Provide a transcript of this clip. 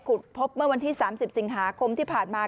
พบเมื่อวันที่๓๐สิงหาคมที่ผ่านมา